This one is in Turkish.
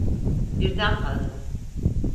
Birden fazla.